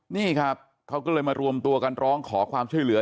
นี่ครับเขาก็เลยมารวมตัวกันร้องขอความช่วยเหลือ